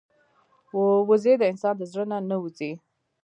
وزې د انسان د زړه نه نه وځي